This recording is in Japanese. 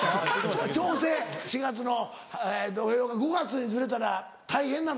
調整４月の土俵が５月にずれたら大変なの？